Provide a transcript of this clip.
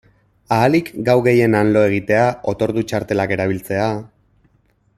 Ahalik gau gehien han lo egitea, otordu-txartelak erabiltzea...